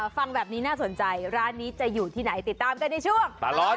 ฟังแบบนี้น่าสนใจร้านนี้จะอยู่ที่ไหนติดตามกันในช่วงตลอด